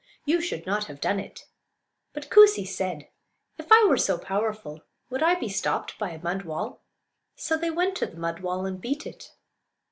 You should not have done it." But Koosee said, "If I were so powerful would I be stopped by a mud wall?" So they went to the mud wall and beat it.